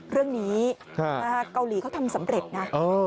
เรื่องนี้เกาหลีเขาทำสำเร็จนะ